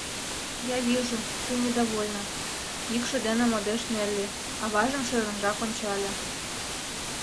— Я вижу, ты недовольна, — йӱкшӧ дене модеш Нелли, аважым шӧрынрак ончале.